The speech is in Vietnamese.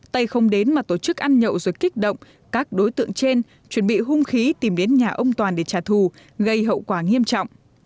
tây không đến mà tổ chức ăn nhậu rồi kích động các đối tượng trên chuẩn bị hung khí tìm đến nhà ông toàn để trả thù gây hậu quả nghiêm trọng